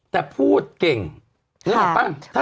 แต่พูดเก่งหรือหรือเปล่า